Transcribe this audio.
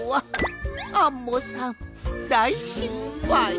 アンモさんだいしっぱい。